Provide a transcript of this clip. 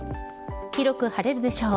広く晴れるでしょう。